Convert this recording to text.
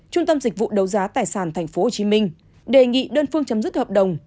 trung tâm dịch vụ đấu giá tài sản tp hcm đề nghị đơn phương chấm dứt hợp đồng